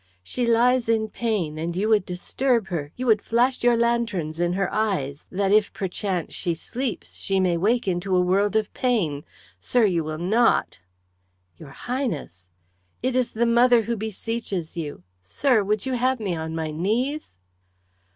"She lies in pain, and you would disturb her; you would flash your lanterns in her eyes, that if perchance she sleeps, she may wake into a world of pain. Sir, you will not." "Your Highness " "It is the mother who beseeches you. Sir, would you have me on my knees?"